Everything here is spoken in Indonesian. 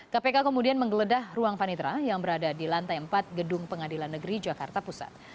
kpk kemudian menggeledah ruang panitra yang berada di lantai empat gedung pengadilan negeri jakarta pusat